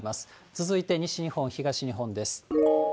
続いて西日本、東日本です。